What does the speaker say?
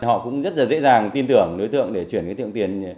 họ cũng rất là dễ dàng tin tưởng đối tượng để chuyển cái tiệm tiền